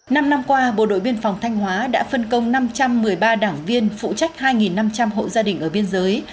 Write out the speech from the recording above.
năm năm qua bộ đội biên phòng thanh hóa đã phân công năm trăm một mươi ba đảng viên phụ trách hai năm trăm linh hộ gia đình ở biên giới